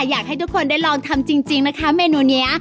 อยากให้ทุกคนได้ลองทำจริงนะคะเมนูนี้